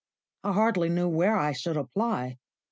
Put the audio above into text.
I hardly knew where I should apply.